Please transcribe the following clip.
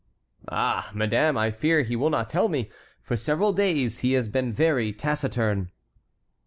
"Ah, madame, I fear he will not tell me; for several days he has been very taciturn."